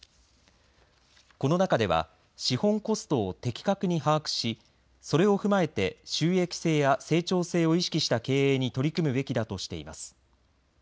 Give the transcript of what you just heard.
この中では資本コストを的確に把握しそれを踏まえて収益性や成長性を意識した経営に取り組むべきだとしています。